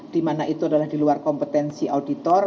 dimana itu adalah di luar kompetensi auditor